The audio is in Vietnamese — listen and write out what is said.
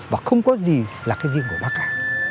và không có gì là cái riêng của bác cả